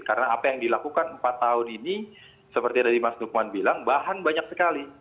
karena apa yang dilakukan empat tahun ini seperti yang tadi mas dukman bilang bahan banyak sekali